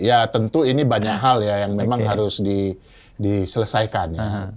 ya tentu ini banyak hal ya yang memang harus diselesaikan ya